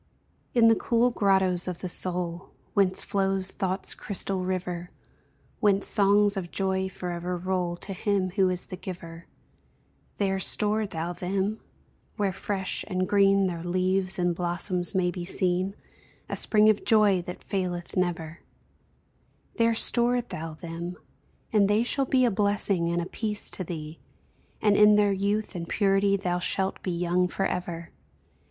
In the cool grottos of the soul, Whence flows thought's crystal river, Whence songs of joy forever roll To Him who is the Giver There store thou them, where fresh and green Their leaves and blossoms may be seen, A spring of joy that faileth never; There store thou them, and they shall be A blessing and a peace to thee, And in their youth and purity Thou shalt be young forever!